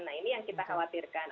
nah ini yang kita khawatirkan